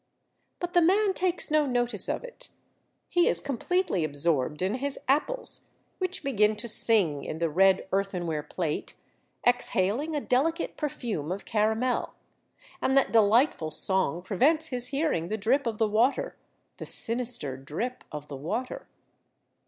But the man takes no notice of it. He is com pletely absorbed in his apples, which begin to sing in the red earthen ware plate, exhaling a delicate perfume of caramel ; and that delightful song pre vents his hearing the drip of the water, the sinister drip of the water.